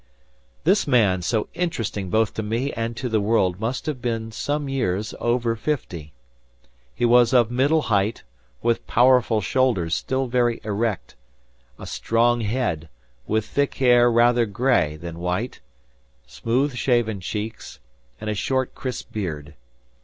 This man, so interesting both to me and to the world, must have been some years over fifty. He was of middle height, with powerful shoulders still very erect; a strong head, with thick hair rather gray than white, smooth shaven cheeks, and a short, crisp beard.